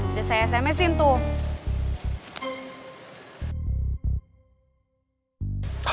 udah saya sms in tuh